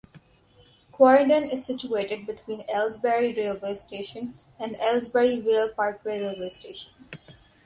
Quarrendon is situated between Aylesbury railway station and Aylesbury Vale Parkway railway station.